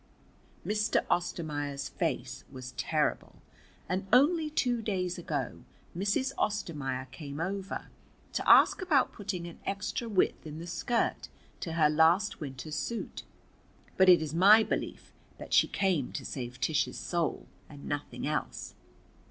Mr. Ostermaier's face was terrible, and only two days ago Mrs. Ostermaier came over to ask about putting an extra width in the skirt to her last winter's suit. But it is my belief that she came to save Tish's soul, and nothing else.